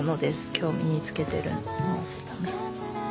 今日身につけてるものはね。